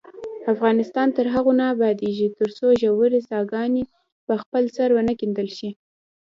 افغانستان تر هغو نه ابادیږي، ترڅو ژورې څاګانې په خپل سر ونه کیندل شي.